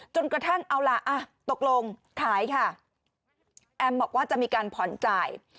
จนกระทั่งเอาล่ะตกลงขายค่ะแอมบอกว่าจะมีการผ่อนจ่าย